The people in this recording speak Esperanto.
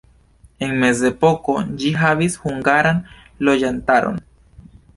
En mezepoko ĝi havis hungaran loĝantaron.